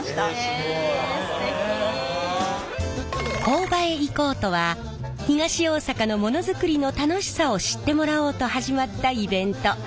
「こーばへ行こう！」とは東大阪のモノづくりの楽しさを知ってもらおうと始まったイベント。